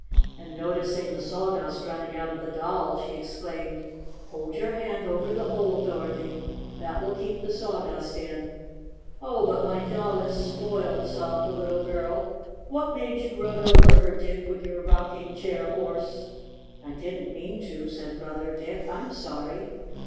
And, noticing the sawdust running out of the Doll, she exclaimed : "Hold your hand over the hole, Doro thy ! That will keep the sawdust in !" "Oh, but my doll is spoiled!" sobbed the little girl. 6 6 What made you run over her, Dick, with your rocking chair horse?" "I — I didn't mean to," said Brother Dick. "I'm sorry